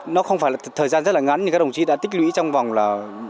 nó không phải là thời gian rất ngắn nhưng các đồng chí đã tích lũy trong vòng là